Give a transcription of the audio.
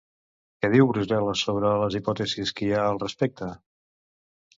Què diu Brusel·les sobre les hipòtesis que hi ha al respecte?